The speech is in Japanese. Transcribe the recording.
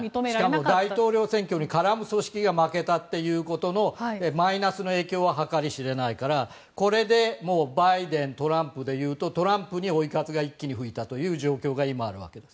しかも大統領選挙に絡む組織が負けたというマイナスの影響は計り知れないからこれでバイデントランプでいうとトランプに追い風が一気に吹いた状況が今、あるわけです。